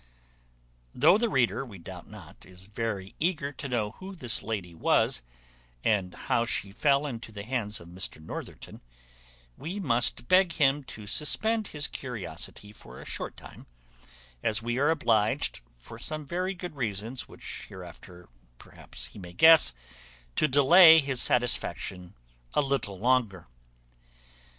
Though the reader, we doubt not, is very eager to know who this lady was, and how she fell into the hands of Mr Northerton, we must beg him to suspend his curiosity for a short time, as we are obliged, for some very good reasons which hereafter perhaps he may guess, to delay his satisfaction a little longer.